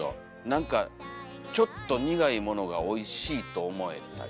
なんかちょっと苦いものがおいしいと思えたり。